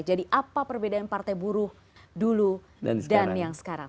jadi apa perbedaan partai buruh dulu dan yang sekarang